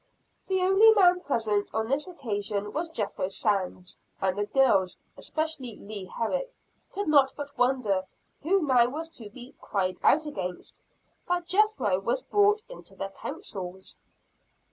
The only man present on this occasion was Jethro Sands; and the girls, especially Leah Herrick, could not but wonder who now was to be "cried out against," that Jethro was brought into their counsels.